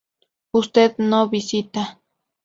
Usted no visita